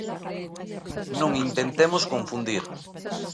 Non intentemos confundir.